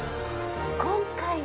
今回は？